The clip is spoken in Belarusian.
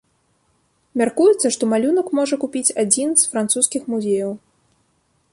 Мяркуецца, што малюнак можа купіць адзін з французскіх музеяў.